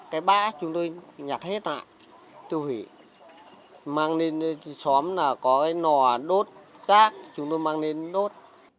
cái bã chúng tôi nhặt hết chúng tôi nhặt hết chúng tôi nhặt hết chúng tôi nhặt hết